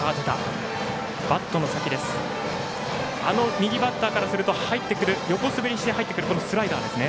右バッターからすると横滑りして入ってくるスライダーですね。